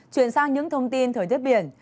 chuyển sang những thông tin thời tiết biển